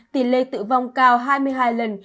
tỷ lệ tự vong cao hai mươi hai lần